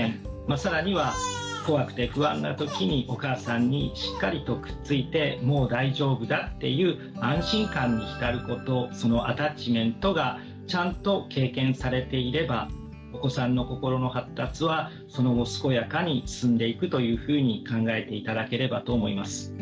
更には怖くて不安な時にお母さんにしっかりとくっついてもう大丈夫だっていう安心感に浸ることそのアタッチメントがちゃんと経験されていればお子さんの心の発達はその後健やかに進んでいくというふうに考えて頂ければと思います。